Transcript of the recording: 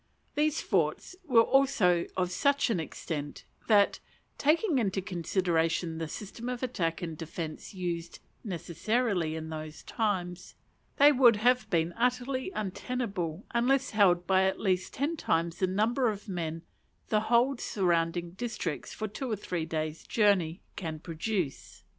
These forts were also of such an extent that, taking into consideration the system of attack and defence used necessarily in those times, they would have been utterly untenable unless held by at least ten times the number of men the whole surrounding districts, for two or three days' journey, can produce.